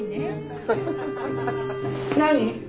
何？